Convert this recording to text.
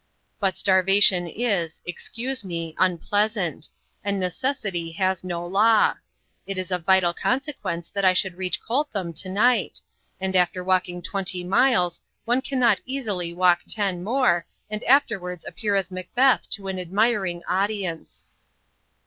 "But starvation is excuse me, unpleasant; and necessity has no law. It is of vital consequence that I should reach Coltham to night; and after walking twenty miles one cannot easily walk ten more, and afterwards appear as Macbeth to an admiring audience."